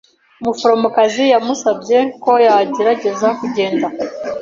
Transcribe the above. Umuforomokazi yamusabye ko yagerageza kugenda.